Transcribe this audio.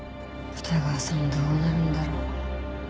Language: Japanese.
二川さんどうなるんだろう。